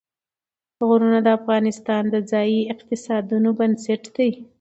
غرونه د افغانستان د ځایي اقتصادونو بنسټ دی.